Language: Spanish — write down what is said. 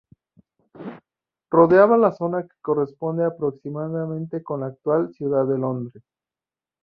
Rodeaba la zona que corresponde aproximadamente con la actual Ciudad de Londres.